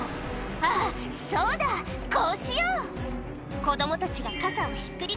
あぁそうだこうしよう！」